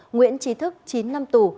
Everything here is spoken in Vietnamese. nguyễn trí thức chín năm tù